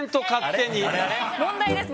問題です。